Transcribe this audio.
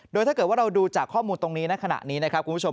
โดยถ้าเกิดว่าเราดูจากข้อมูลตรงนี้ในขณะนี้นะครับคุณผู้ชม